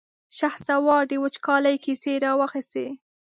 شهسوار د وچکالۍ کيسې را واخيستې.